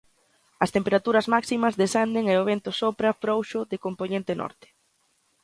As temperaturas máximas descenden e o vento sopra frouxo de compoñente norte.